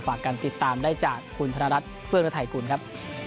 ฝากกันติดตามได้จากคุณธนรัฐเฟื้องฤทัยกุลครับ